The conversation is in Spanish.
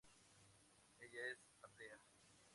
Ella es atea.